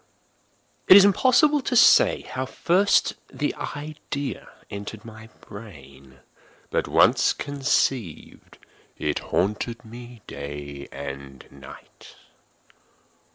It is impossible to say how first the idea entered my brain; but once conceived, it haunted me day and night.